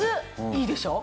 いいでしょ？